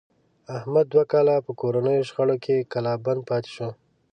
احمد دوه کاله په کورنیو شخړو کې کلا بند پاتې شو.